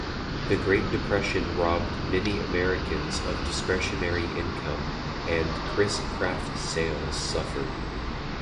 The Great Depression robbed many Americans of discretionary income, and Chris-Craft sales suffered.